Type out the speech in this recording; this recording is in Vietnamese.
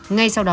ngay sau đó